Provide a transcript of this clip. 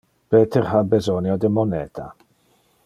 Peter ha besonio de moneta.